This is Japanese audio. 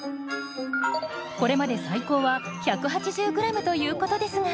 これまで最高は１８０ｇということですが。